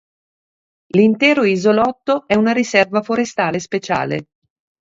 L'intero isolotto è una riserva forestale speciale.